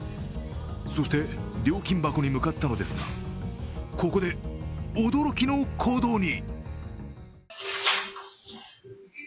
そして、料金箱に向かったのですがここで驚きの行動に。